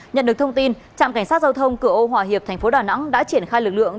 nhận được thông tin trạm cảnh sát giao thông cửa ô hòa hiệp thành phố đà nẵng đã triển khai lực lượng